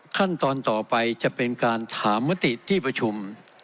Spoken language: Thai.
ขั้นตอนต่อไปจะเป็นการถามมติที่ประชุม